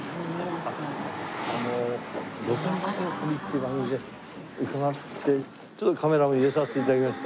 あの『路線バスの旅』っていう番組で伺ってちょっとカメラも入れさせていただきまして。